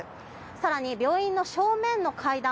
更に、病院の正面の階段